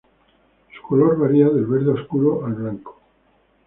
Su color varía del verde oscuro al blanco.